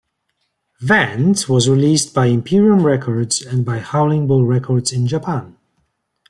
"Vent" was released by Imperium Records and by Howling-Bull Records in Japan.